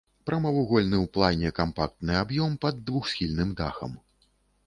Прамавугольны ў плане кампактны аб'ём пад двухсхільным дахам.